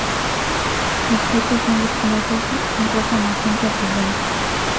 Los frutos son de color rosa a rojo magenta brillante.